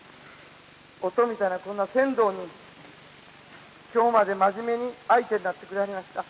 於兎みたいなこんな船頭に今日まで真面目に相手になってくれはりました。